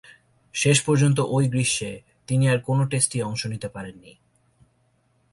শেষ পর্যন্ত ঐ গ্রীষ্মে তিনি আর কোন টেস্টেই অংশ নিতে পারেননি।